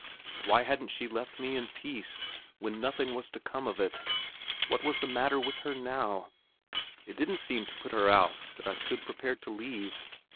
Why hadn't she left me in peace, when nothing was to come of it? What was the matter with her now? It didn't seem to put her out that I stood prepared to leave.